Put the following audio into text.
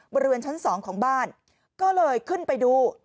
บริเวณชั้น๒ของบ้านก็เลยขึ้นไปดู